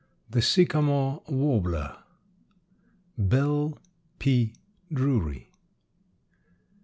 THE SYCAMORE WARBLER. BELLE P. DRURY.